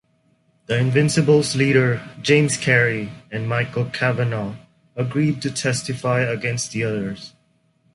The Invincibles' leader, James Carey, and Michael Kavanagh agreed to testify against the others.